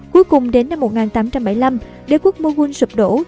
cuối cùng đến năm một nghìn tám trăm bảy mươi năm đế quốc moghul sụp đổ